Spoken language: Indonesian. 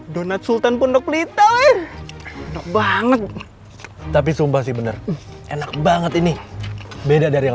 donat sultan pondok pelita banget tapi sumpah sih bener enak banget ini beda dari yang